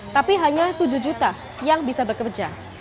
tapi hanya tujuh juta yang bisa bekerja